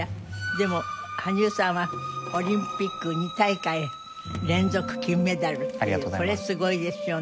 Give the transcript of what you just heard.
でも羽生さんはオリンピック２大会連続金メダルっていうこれすごいですよね。